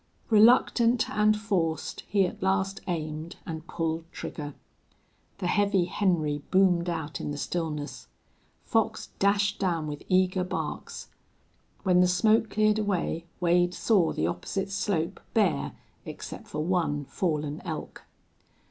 Reluctant and forced, he at last aimed and pulled trigger. The heavy Henry boomed out in the stillness. Fox dashed down with eager barks. When the smoke cleared away Wade saw the opposite slope bare except for one fallen elk.